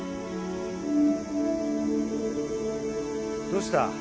どうした？